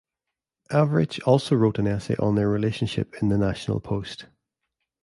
Avrich also wrote an essay on their relationship in The National Post.